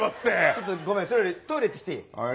ちょっとごめんそれよりトイレ行ってきていい？